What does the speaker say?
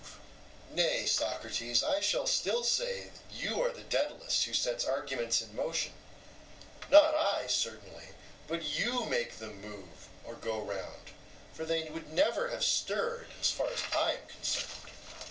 EUTHYPHRO: Nay, Socrates, I shall still say that you are the Daedalus who sets arguments in motion; not I, certainly, but you make them move or go round, for they would never have stirred, as far as I am concerned.